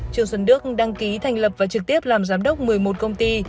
trương xuân đức đăng ký thành lập và trực tiếp làm giám đốc một mươi một công ty